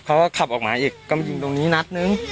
เขาก็ขับออกมาอีกก็มายิงตรงนี้นัดนึง